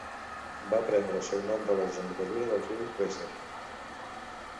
Va prendre el seu nom de la desembocadura del riu Weser.